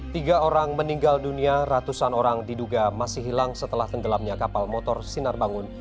tiga orang meninggal dunia ratusan orang diduga masih hilang setelah tenggelamnya kapal motor sinar bangun